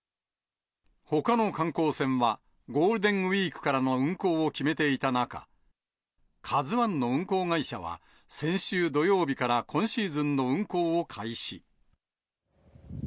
ほかの観光船は、ゴールデンウィークからの運航を決めていた中、カズワンの運航会社は、先週土曜日から今シーズンの運航を開始。